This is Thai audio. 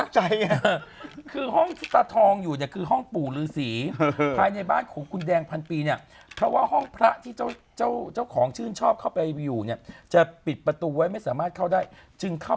ช่วยเหลือผู้ป่วยโรคเซลสประสาทสั่งการเสื่อม